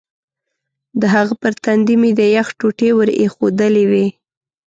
د هغه پر تندي مې د یخ ټوټې ور ایښودلې وې.